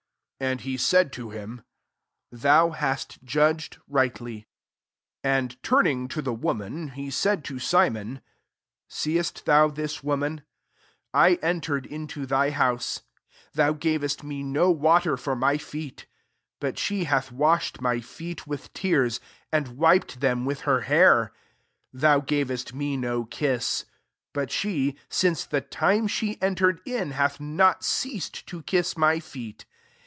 '* And he said to him, « Thou hast judged lightly." 44 And turning to the wo man, he said to Simon, Seest thou this woman ? I entered into thy house : thou gavest me no water for my feet : but she hath washed my feet with tears, and wiped them with her hair. 45 Thou gavest me no kiss : but she, since the time she en tered in, hath not ceased to kiss my feet.